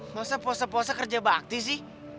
maksudnya puasa puasa kerja bakti sih